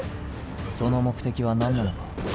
その目的は何なのか。